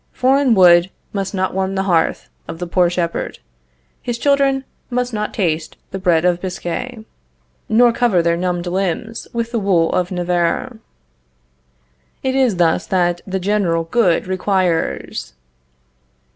Foreign wood must not warm the hearth of the poor shepherd; his children must not taste the bread of Biscay, nor cover their numbed limbs with the wool of Navarre. It is thus that the general good requires!